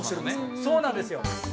そうなんですよ。